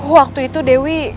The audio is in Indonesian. waktu itu dewi